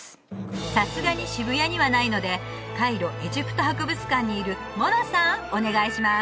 さすがに渋谷にはないのでカイロ・エジプト博物館にいるモロさんお願いします